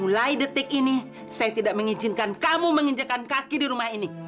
mulai detik ini saya tidak mengizinkan kamu menginjakan kaki di rumah ini